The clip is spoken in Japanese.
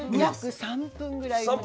約３分ぐらい。